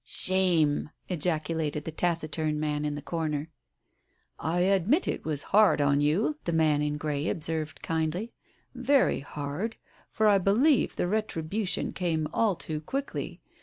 "Shame I " ejaculated the taciturn man in the corner. " I admit it was hard on you," the man in grey observed kindly. "Very hard, for I believe the retribution came all too quickly.